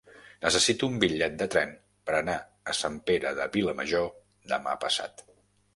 Necessito un bitllet de tren per anar a Sant Pere de Vilamajor demà passat.